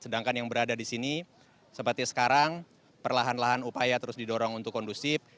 sedangkan yang berada di sini seperti sekarang perlahan lahan upaya terus didorong untuk kondusif